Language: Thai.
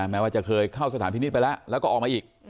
แม้ว่าจะเคยเข้าสถานพินิษฐ์ไปแล้วแล้วก็ออกมาอีก